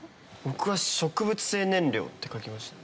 僕は植物性燃料って書きました。